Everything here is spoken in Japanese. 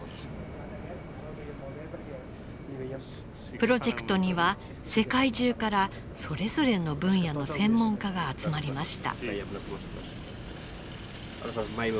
プロジェクトには世界中からそれぞれの分野の専門家が集まりました。